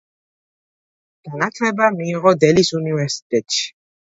განათლება მიიღო დელის უნივერსიტეტში.